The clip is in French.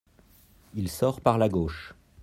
Il sort par la gauche.